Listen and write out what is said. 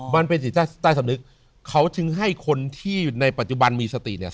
มันเป็นจิตใต้สำนึกเขาจึงให้คนที่ในปัจจุบันมีสติเนี่ย